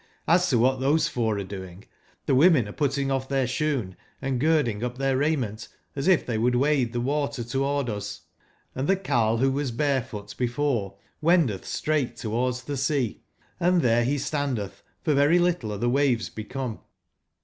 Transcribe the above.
He to what those four arc doing, the women are putting off their shoon, and girding up their raiment, as if they would wade the water toward us ; and the carle, who was barefoot before, wen deth straight towards the sea, and there he Stan deth, for very little are the waves become ''j!?